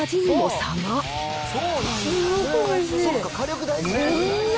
すごいおいしい！